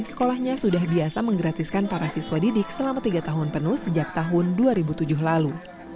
sekolahnya sudah biasa menggratiskan para siswa didik selama tiga tahun penuh sejak tahun dua ribu tujuh lalu